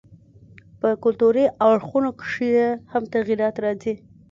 په کلتوري اړخونو کښي ئې هم تغيرات راځي.